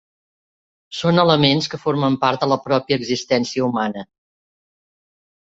Són elements que formen part de la pròpia existència humana.